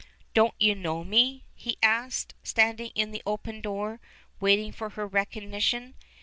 "Don't you know me?" he asked, standing in the open door, waiting for her recognition.